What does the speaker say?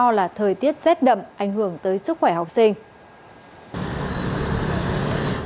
do là thời tiết rét đậm ảnh hưởng tới sức khỏe học sinh